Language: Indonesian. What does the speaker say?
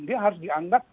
dia harus dianggap